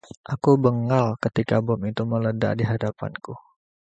Aku bengal ketika bom itu meledak di hadapanku.